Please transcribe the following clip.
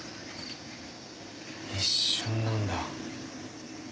一瞬なんだ。